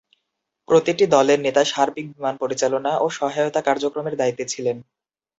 প্রতিটি দলের নেতা সার্বিক বিমান পরিচালনা ও সহায়তা কার্যক্রমের দায়িত্বে ছিলেন।